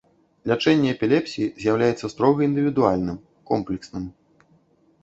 Лячэнне эпілепсіі з'яўляецца строга індывідуальным, комплексным.